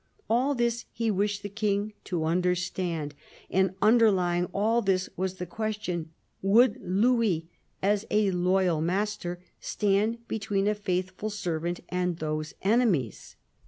All this he wished the King to understand, and underlying all this was the question — would Louis, as a loyal master, stand between a faithful servant and those enemies